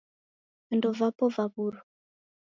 Vindo vapo vaw'urwa.